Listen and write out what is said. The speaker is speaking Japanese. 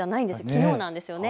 きのうんですよね。